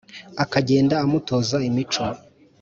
, aka genda amutoza imico